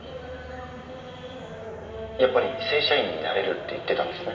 やっぱり正社員になれるって言ってたんですね？